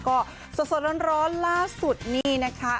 ก็สดสดร้อนร้อนรัดสุดนี้นะคะ